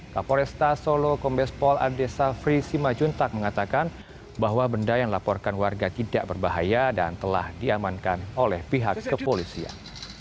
kapolresta solo kombespol adesafri simajuntak mengatakan bahwa benda yang dilaporkan warga tidak berbahaya dan telah diamankan oleh pihak kepolisian